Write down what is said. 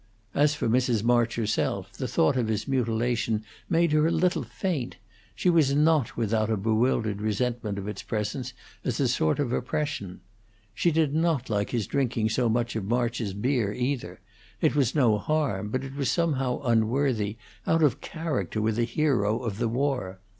As for Mrs. March herself, the thought of his mutilation made her a little faint; she was not without a bewildered resentment of its presence as a sort of oppression. She did not like his drinking so much of March's beer, either; it was no harm, but it was somehow unworthy, out of character with a hero of the war.